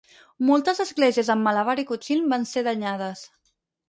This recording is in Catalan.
Moltes esglésies en Malabar i Cochin van ser danyades.